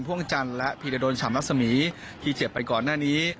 พ่วงจันทร์และพิริโดนชำนักสมีที่เจ็บไปก่อนหน้านี้